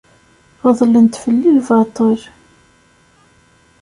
Ɣeḍlen-d fell-i lbaṭel.